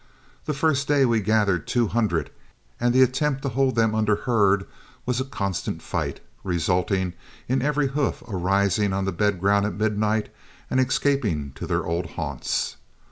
The first day we gathered two hundred, and the attempt to hold them under herd was a constant fight, resulting in every hoof arising on the bed ground at midnight and escaping to their old haunts.